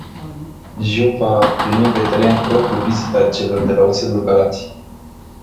Jiu va primi pe teren propriu vizita celor de la Oțelul Galați.